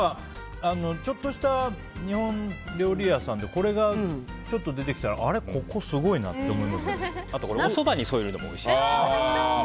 ちょっとした日本料理屋さんでこれがちょっと出てきたらあと、おそばに添えるのもおいしいです。